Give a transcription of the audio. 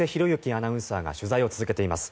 倖アナウンサーが取材を続けています。